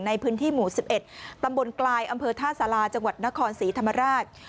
ในพื้นที่หมู่๑๑ตำบลกลายอำเภอท่าสาราจังหวัดนครศรีธรรมราช